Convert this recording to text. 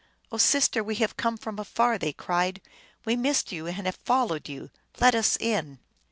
" O sister, we have come from afar !" they cried. " We missed you, and have followed you. Let us in